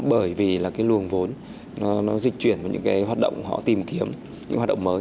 bởi vì là cái luồng vốn nó dịch chuyển vào những cái hoạt động họ tìm kiếm những hoạt động mới